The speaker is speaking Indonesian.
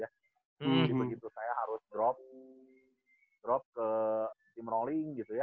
jadi begitu saya harus drop ke tim rolling gitu ya